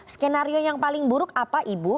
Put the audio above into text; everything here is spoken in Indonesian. skenario yang paling buruk apa ibu